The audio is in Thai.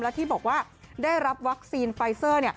แล้วที่บอกว่าได้รับวัคซีนไฟเซอร์